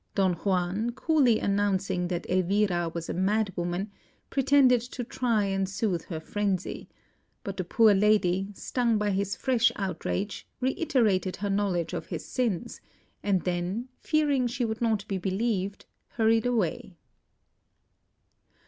Don Juan, coolly announcing that Elvira was a mad woman, pretended to try and soothe her frenzy; but the poor lady, stung by this fresh outrage, reiterated her knowledge of his sins, and then, fearing she would not be believed, hurried away.